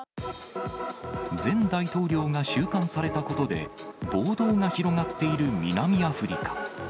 前大統領が収監されたことで、暴動が広がっている南アフリカ。